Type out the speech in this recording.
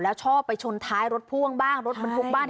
แล้วชอบไปชนท้ายรถพ่วงบ้างรถบรรทุกบ้าน